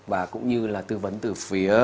và cũng như là tư vấn từ phía